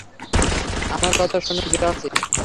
আমার কথা শুনো, গ্রাসি।